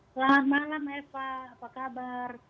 selamat malam eva apa kabar